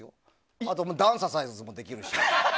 あとはダンササイズもできるし。